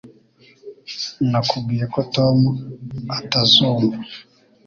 Nakubwiye ko Tom atazumva